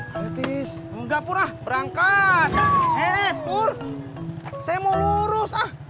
ayo tis enggak pur ah berangkat he pur saya mau lurus ah